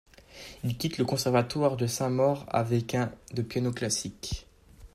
Il quitte le conservatoire de Saint-Maur avec un de piano classique.